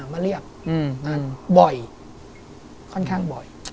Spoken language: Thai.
มาเรียกบ่อยค่อนข้างบ่อย